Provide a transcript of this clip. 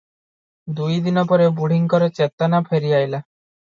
ଦୁଇ ଦିନପରେ ବୁଢ଼ୀଙ୍କର ଚେତନା ଫେରି ଅଇଲା ।